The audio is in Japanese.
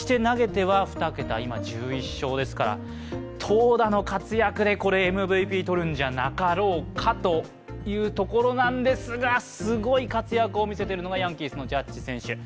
投打の活躍でＭＶＰをとるんじゃなかろうかというところなんですがすごい活躍を見せているのがヤンキースのジャッジ選手。